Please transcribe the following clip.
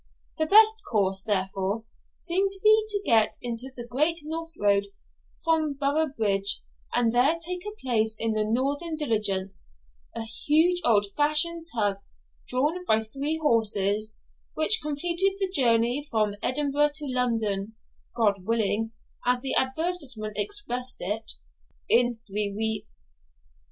The best course, therefore, seemed to be to get into the great north road about Boroughbridge, and there take a place in the northern diligence, a huge old fashioned tub, drawn by three horses, which completed the journey from Edinburgh to London (God willing, as the advertisement expressed it) in three weeks.